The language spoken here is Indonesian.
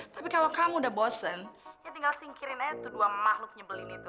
tapi kalau kamu udah bosen ya tinggal singkirin aja tuh dua makhluk nyebelin itu